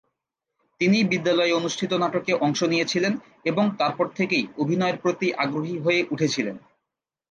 তিনি বিদ্যালয়ে অনুষ্ঠিত নাটকে অংশ নিয়েছিলেন এবং তারপর থেকেই অভিনয়ের প্রতি আগ্রহী হয়ে উঠেছিলেন।